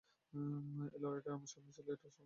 এই লড়াইটাই আমার স্বপ্নে ছিল এটা স্বপ্ন ছিল না।